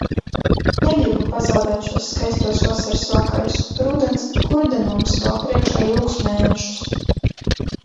Negribu pazaudēt šos skaistos vasaras vakarus. Rudens gurdenums vēl priekšā ilgus mēnešus.